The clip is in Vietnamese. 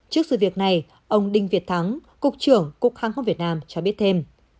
trước sự việc này ông đinh việt thắng cục trưởng cục hàng không việt nam cho biết thêm